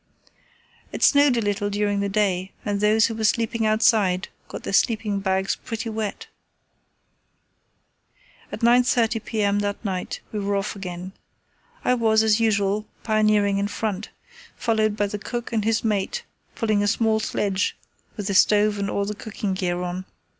It snowed a little during the day and those who were sleeping outside got their sleeping bags pretty wet. At 9.30 p.m. that night we were off again. I was, as usual, pioneering in front, followed by the cook and his mate pulling a small sledge with the stove and all the cooking gear on.